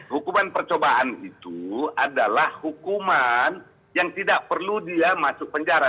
hukuman percobaan itu adalah hukuman yang tidak perlu dia masuk penjara